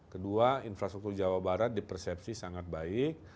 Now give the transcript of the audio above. kedua infrastruktur jawa barat di persepsi sangat baik